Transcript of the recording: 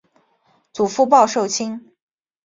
祖父鲍受卿。